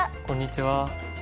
こんにちは。